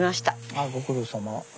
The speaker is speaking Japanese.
あご苦労さま。